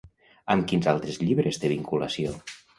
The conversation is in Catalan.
Amb quins altres llibres té vinculació?